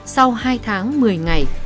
sau hai tháng một mươi ngày